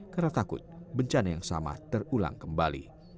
karena takut bencana yang sama terulang kembali